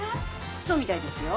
そうみたいですよ。